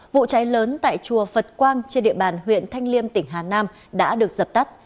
vụ cháy lớn tại chùa phật quang trên địa bàn huyện thanh liêm tỉnh hà nam đã được dập tắt